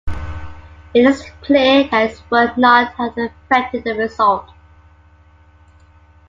It is clear that this would not have affected the result.